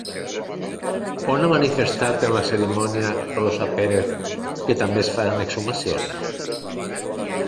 On ha manifestat en la cerimònia Rosa Pérez que també es faran exhumacions?